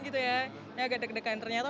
dia agak deg degan ternyata